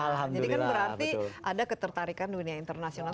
jadi kan berarti ada ketertarikan dunia internasional